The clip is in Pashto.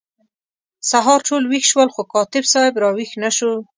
سهار ټول ویښ شول خو کاتب صاحب را ویښ نه شو.